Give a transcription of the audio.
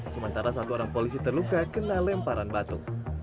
sementara satu orang polisi terluka kena lemparan batu